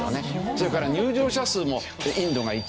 それから入場者数もインドが１位。